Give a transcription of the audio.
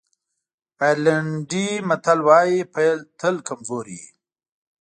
آیرلېنډی متل وایي پيل تل کمزوری وي.